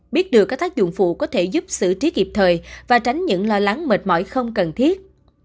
biết được các tác dụng phụ có thể giúp xử trí kịp thời và tránh những lo lắng mệt mỏi không cần thiết